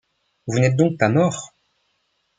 Vous n’êtes donc pas mort!